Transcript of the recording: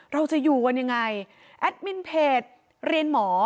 เราจะอยู่กันยังไงแอดมินเพจเรียนหมอ